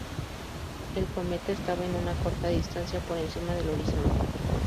El cometa estaba a una corta distancia por encima del horizonte.